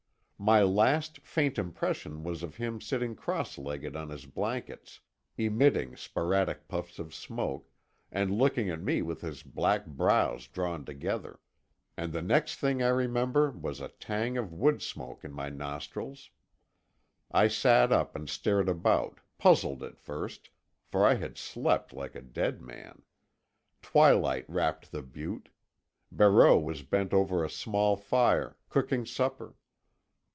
My last, faint impression was of him sitting cross legged on his blankets, emitting sporadic puffs of smoke, and looking at me with his black brows drawn together. And the next thing I remember was a tang of wood smoke in my nostrils. I sat up and stared about, puzzled at first, for I had slept like a dead man. Twilight wrapped the butte. Barreau was bent over a small fire, cooking supper.